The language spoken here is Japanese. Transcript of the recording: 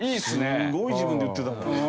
すごい自分で言ってたもん。